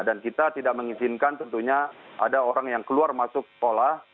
dan kita tidak mengizinkan tentunya ada orang yang keluar masuk sekolah